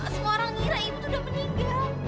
semua orang ngira ibu tuh udah meninggal